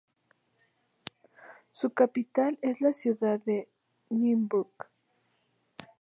Su capital es la ciudad de Nymburk.